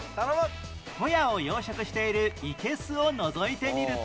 ホヤを養殖しているいけすをのぞいてみると